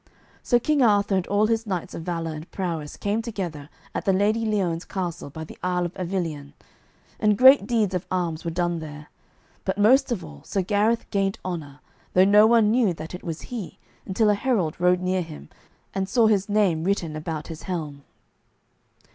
So King Arthur and all his knights of valour and prowess came together at the Lady Liones' castle by the Isle of Avilion, and great deeds of arms were done there, but most of all Sir Gareth gained honour, though no one knew that it was he until a herald rode near him and saw his name written about his helm.